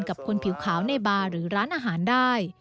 กับคนผิวขาวในบาร์หรือร้านอาหารได้